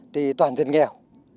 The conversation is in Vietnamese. thì toàn dân nghèo